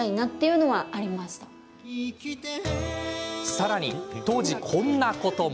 さらに当時、こんなことも。